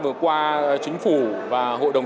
vừa qua chính phủ và hội đồng